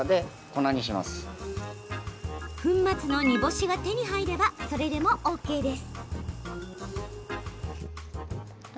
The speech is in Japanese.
粉末の煮干しが手に入ればそれでもＯＫです。